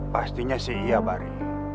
pastinya sih iya bari